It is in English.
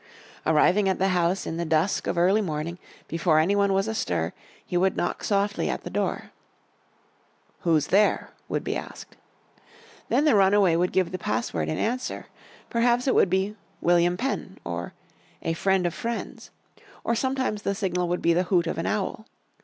Arriving at the house in the dusk of early morning, before any one was astir he would knock softly at the door. "Who's there?" would be asked. Then the runaway would give the password in answer. Perhaps it would be "William Penn," or "a friend of friends," or sometimes the signal would be the hoot of an owl.